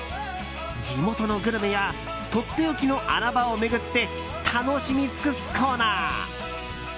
地元のグルメやとっておきの穴場を巡って楽しみ尽くすコーナー。